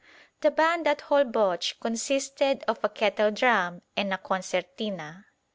The band at Holboch consisted of a kettledrum and a concertina.